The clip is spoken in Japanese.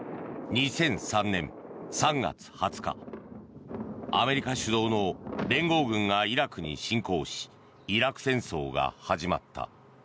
２００３年３月２０日アメリカ主導の連合軍がイラクに侵攻しイラク戦争が始まった。